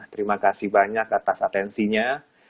terima kasih banyak atas atensinya